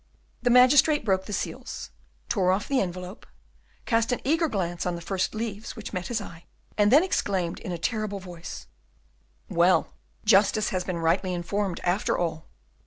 The magistrate broke the seals, tore off the envelope, cast an eager glance on the first leaves which met his eye and then exclaimed, in a terrible voice, "Well, justice has been rightly informed after all!"